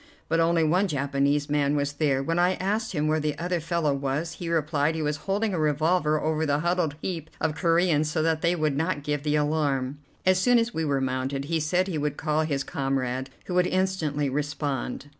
But only one Japanese man was there. When I asked him where the other fellow was, he replied he was holding a revolver over the huddled heap of Coreans so that they would not give the alarm. As soon as we were mounted, he said he would call his comrade, who would instantly respond.